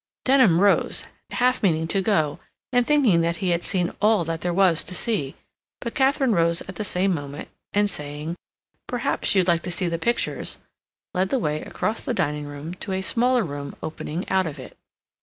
Denham rose, half meaning to go, and thinking that he had seen all that there was to see, but Katharine rose at the same moment, and saying, "Perhaps you would like to see the pictures," led the way across the drawing room to a smaller room opening out of it.